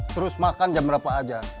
terus makan jam berapa aja